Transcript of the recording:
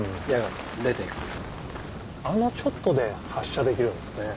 あのちょっとで発射できるんですね。